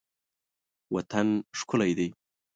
وطن ښکلی دی.